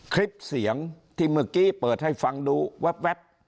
คลิปเสียงที่เมื่อกี้เปิดให้ฟังดูแว๊บ